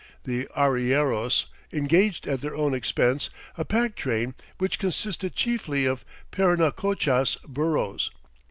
The arrieros engaged at their own expense a pack train which consisted chiefly of Parinacochas burros.